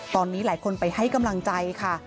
ตอนนี้หลายคนไปให้กำลังใจค่ะ